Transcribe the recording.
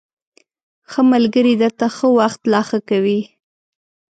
ښه ملگري درته ښه وخت لا ښه کوي